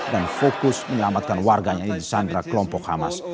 dan fokus menyelamatkan warganya di sandra kelompok hamas